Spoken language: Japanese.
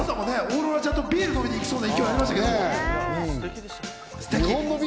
加藤さんもオーロラちゃんとビール飲みに行きそうな勢いだったけど。